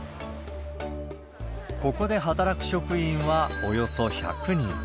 ここで働く職員は、およそ１００人。